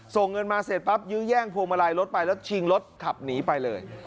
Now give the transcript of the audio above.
ส่งเงินมาเสร็จปั๊บยื้อแย่งพวงมาลัยรถไปแล้วชิงรถขับหนีไปเลย